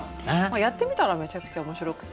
やってみたらめちゃくちゃ面白くて。